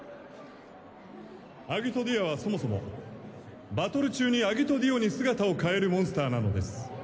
アギト＝ディアはそもそもバトル中にアギト＝ディオに姿を変えるモンスターなのです。